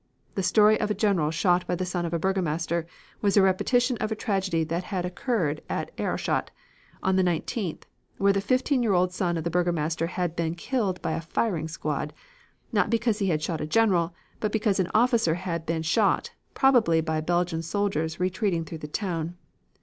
The story of a general shot by the son of a burgomaster was a repetition of a tragedy that had occurred at Aerschot, on the 19th, where the fifteen year old son of the burgomaster had been killed by a firing squad, not because he had shot a general, but because an officer had been shot, probably by Belgian soldiers retreating through the town.